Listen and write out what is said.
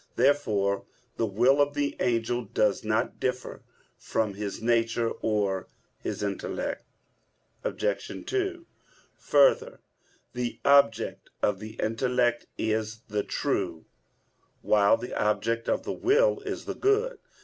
Therefore the will of the angel does not differ from his nature or his intellect. Obj. 2: Further, the object of the intellect is the true, while the object of the will is the good.